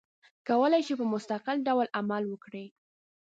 کولای شي په مستقل ډول عمل وکړي.